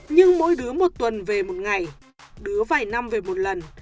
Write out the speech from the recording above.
nhưng mỗi đứa một tuần về một ngày đứa vài năm về một lần